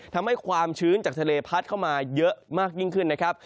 ทำให้ความชื้นจากทะเลพัดเข้ามาเยอะมากยิ่งขึ้นนะครับ